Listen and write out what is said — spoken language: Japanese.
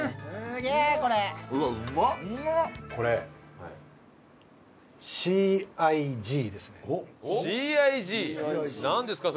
これＣＩＧ？なんですか？